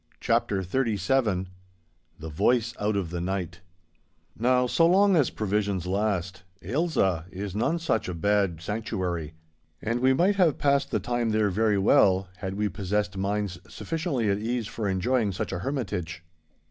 *CHAPTER XXXVII* *THE VOICE OUT OF THE NIGHT* Now, so long as provisions last, Ailsa is none such a bad sanctuary, and we might have passed the time there very well, had we possessed minds sufficiently at ease for enjoying such a hermitage.